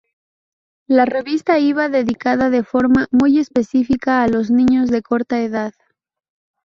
La revista iba dedicada de forma muy específica a los niños de corta edad.